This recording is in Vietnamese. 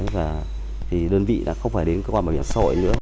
và đơn vị đã không phải đến cơ quan bảo hiểm xã hội nữa